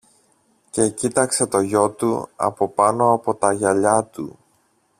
και κοίταξε το γιο του από πάνω από τα γυαλιά του.